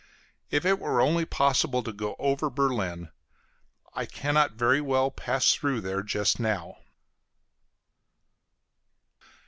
If it were only possible to go over Berlin! I cannot very well pass through there just now.